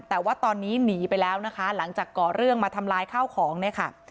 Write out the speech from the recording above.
แต่ว่าตอนนี้หนีไปแล้วนะคะหลังจากก่อเรื่องมาทำลายข้าวของเนี่ยค่ะ